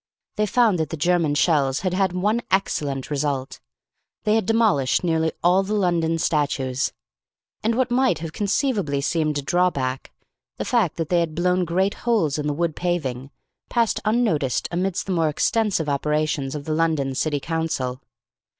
They found that the German shells had had one excellent result, they had demolished nearly all the London statues. And what might have conceivably seemed a draw back, the fact that they had blown great holes in the wood paving, passed unnoticed amidst the more extensive operations of the London County Council.